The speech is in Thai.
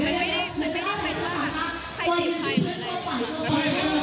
มันไม่ได้เป็นว่าใครเจ็บใครอะไรแบบนี้